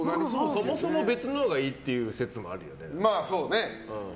そもそも別のほうがいいという説もあるよね。